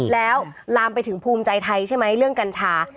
แล้วลามไปถึงภูมิใจไทยใช่ไหมเรื่องกัญชา